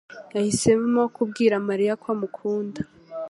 yahisemo kubwira Mariya ko amukunda.